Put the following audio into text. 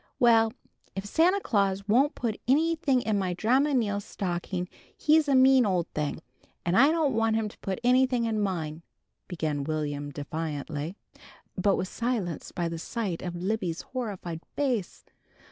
"Well, if Santa Claus won't put anything in my Dranma Neal's stocking, he's a mean old thing, and I don't want him to put anything in mine," began Will'm defiantly, but was silenced by the sight of Libby's horrified face.